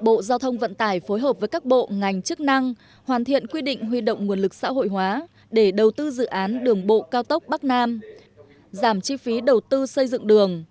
bộ giao thông vận tải phối hợp với các bộ ngành chức năng hoàn thiện quy định huy động nguồn lực xã hội hóa để đầu tư dự án đường bộ cao tốc bắc nam giảm chi phí đầu tư xây dựng đường